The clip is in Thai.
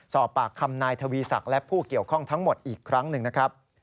สอบปากคำนายทวีศักดิ์และผู้เกี่ยวข้องทั้งหมดอีกครั้งหนึ่งนะครับ